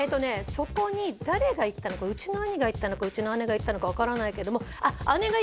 そこに誰が行ったのかうちの兄が行ったのかうちの姉が行ったのか分からないけどもあっ